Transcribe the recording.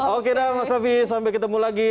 oke dah mas hafiz sampai ketemu lagi